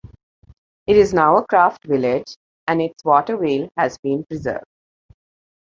It is now a craft village and its waterwheel has been preserved.